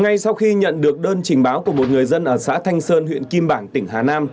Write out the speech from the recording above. ngay sau khi nhận được đơn trình báo của một người dân ở xã thanh sơn huyện kim bảng tỉnh hà nam